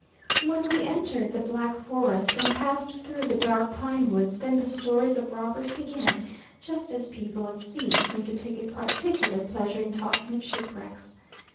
When we entered the black forest, and passed through the dark pine woods, then the stories of robbers began, just as people at sea seem to take a particular pleasure in talking of shipwrecks.